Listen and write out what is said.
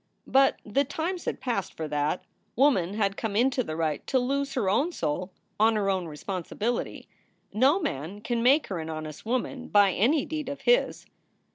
But the times had passed for that. Woman had come into the right to lose her own soul on her own responsibility. No man can make her an honest woman by any deed of his.